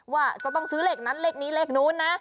ว่าจะต้องซื้อเลขนั้นเลขนี้เลขนู้นนะ